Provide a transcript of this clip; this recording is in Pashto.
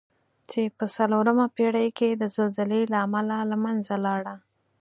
چې په څلورمه پېړۍ کې د زلزلې له امله له منځه لاړه.